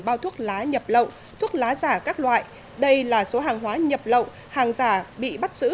bao thuốc lá nhập lậu thuốc lá giả các loại đây là số hàng hóa nhập lậu hàng giả bị bắt giữ